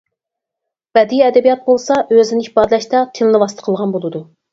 بەدىئىي ئەدەبىيات بولسا ئۆزىنى ئىپادىلەشتە تىلنى ۋاسىتە قىلغان بولىدۇ.